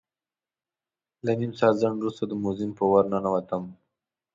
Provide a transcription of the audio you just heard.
له نیم ساعت ځنډ وروسته د موزیم په ور ننوتم.